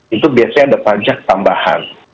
itu biasanya ada pajak tambahan